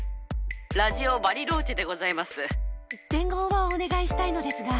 ラジオ・バリローチェでござ伝言をお願いしたいのですが。